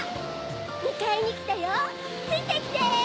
むかえにきたよついてきて！